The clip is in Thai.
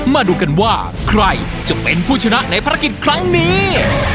มาดูกันว่าใครจะเป็นผู้ชนะในภารกิจครั้งนี้